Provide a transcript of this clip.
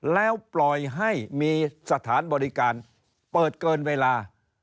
แล้วปล่อยให้มีสถานบริการเปิดเกินเวลา